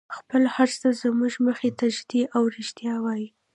خپل هر څه زموږ مخې ته ږدي او رښتیا وایي.